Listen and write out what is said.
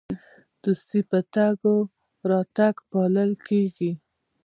دوستي په تګ او راتګ پالل کیږي.